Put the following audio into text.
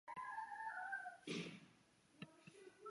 有这么灵？